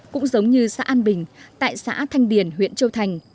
cũng giống như xã an bình tại xã thanh điền huyện châu thành